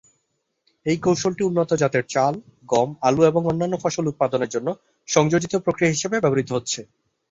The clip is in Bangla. এই কৌশলটি উন্নত জাতের চাল, গম, আলু এবং অন্যান্য ফসল উৎপাদনের জন্য সংযোজিত প্রক্রিয়া হিসাবে ব্যবহৃত হচ্ছে।